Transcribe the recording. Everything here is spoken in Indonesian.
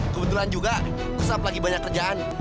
kebetulan juga sesap lagi banyak kerjaan